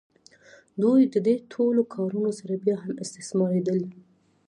دوی د دې ټولو کارونو سره بیا هم استثماریدل.